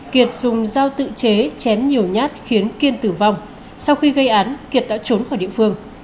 kiệt dùng dao tự chế chém nhiều nhát khiến kiên tử vong sau khi gây án kiệt đã trốn khỏi địa phương